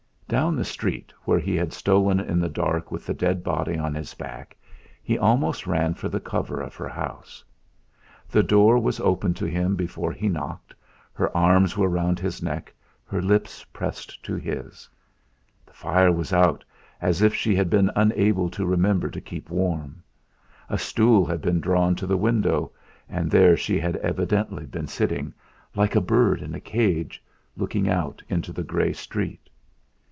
Down the street where he had stolen in the dark with the dead body on his back, he almost ran for the cover of her house. The door was opened to him before he knocked, her arms were round his neck, her lips pressed to his. The fire was out, as if she had been unable to remember to keep warm. A stool had been drawn to the window, and there she had evidently been sitting, like a bird in a cage, looking out into the grey street.